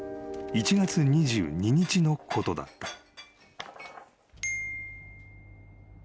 １月２２日のことだった］